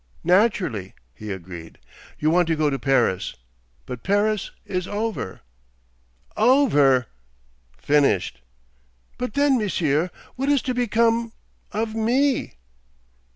'Naturally,' he agreed, 'you want to go to Paris. But Paris is over.' 'Over!' 'Finished.' 'But then, Monsieur—what is to become—of _me?